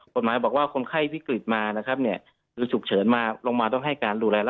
จนกว่าคนไข้จะพ้นวิกฤตนะครับ